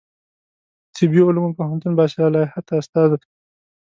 طبي علومو پوهنتون باصلاحیته استازی